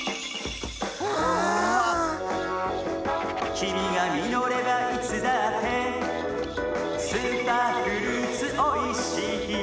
「きみがみのればいつだってスーパーフルーツおいしいよ」